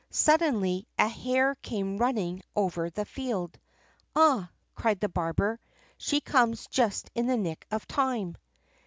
Suddenly a hare came running over the field. "Ah!" cried the barber, "she comes just in the nick of time."